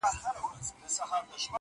لا به تر څو د کربلا له تورو!